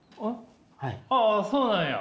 あああそうなんや。